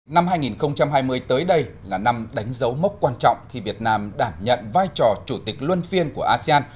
năm hai nghìn hai mươi tới đây là năm đánh dấu mốc quan trọng khi việt nam đảm nhận vai trò chủ tịch luân phiên của asean